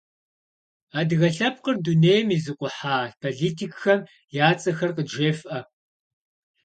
Адыгэ лъэпкъыр дунейм изыкъухьа политикхэм я цӏэхэр къыджефӏэ.